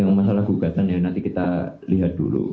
yang masalah gugatan ya nanti kita lihat dulu